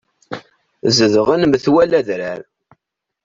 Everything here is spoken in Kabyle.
Zedɣen metwal adrar.